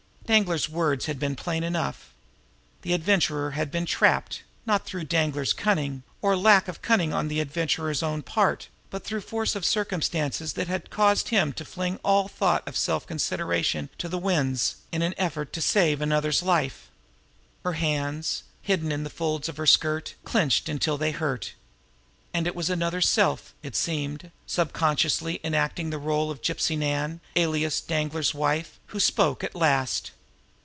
Danglar's words had been plain enough. The Adventurer had been trapped not through Danglar's cunning, or lack of cunning on the Adventurer's own part, but through force of circumstances that had caused him to fling all thought of self consideration to the winds in an effort to save another's life. Her hands, hidden in the folds of her skirt, clenched until they hurt. And it was another self, it seemed, subconsciously enacting the role of Gypsy Nan, alias Danglar's wife, who spoke at last.